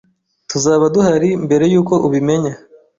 Tuzaba duhari mbere yuko ubimenya.